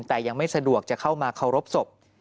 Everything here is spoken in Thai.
แต่ยังไม่สะดวกจะเข้ามาเคารพศพ